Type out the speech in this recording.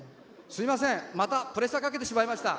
すいません、またプレッシャーかけてしまいました。